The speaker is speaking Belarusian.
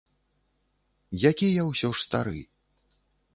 Які я ўсё ж стары.